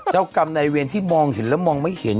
เจ้ากรรมในเวรที่มองเห็นแล้วมองไม่เห็น